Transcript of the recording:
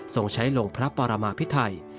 ใช้ลงพระปรมาพิไทย